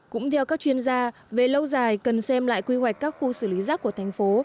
cũng theo các chuyên gia về lâu dài cần xem lại quy hoạch các khu xử lý rác của thành phố